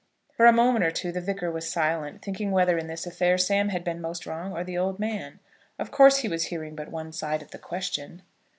For a moment or two the Vicar was silent, thinking whether in this affair Sam had been most wrong, or the old man. Of course he was hearing but one side of the question.